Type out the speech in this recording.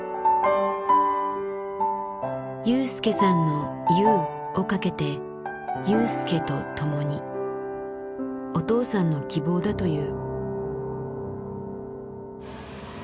雄介さんの「ゆう」をかけて「雄介と共に」。お父さんの希望だという。